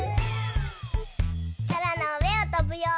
そらのうえをとぶよ。